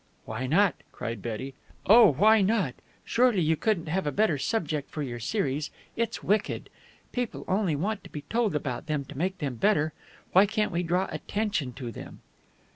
"Why not?" cried Betty. "Oh, why not? Surely you couldn't have a better subject for your series? It's wicked. People only want to be told about them to make them better. Why can't we draw attention to them?"